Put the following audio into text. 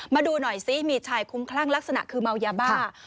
มาดูหน่อยซิมีชายคุ้มคลั่งลักษณะคือเมายาบ้า